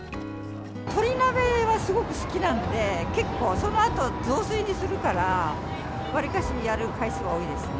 鶏鍋はすごく好きなんで、結構、そのあと雑炊にするから、わりかしやる回数は多いですね。